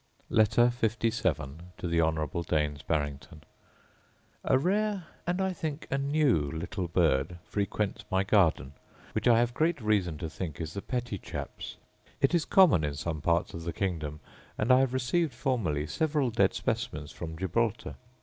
Letter LVII To The Honourable Daines Barrington A rare, and I think a new little bird frequents my garden, which I have great reason to think is the pettichaps: it is common in some parts of the kingdom, and I have received formerly several dead specimens from Gibraltar.